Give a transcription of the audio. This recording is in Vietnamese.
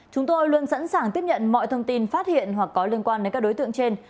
chúng tôi luôn sẵn sàng tiếp nhận mọi thông tin phát hiện hoặc có liên quan đến các đối tượng trên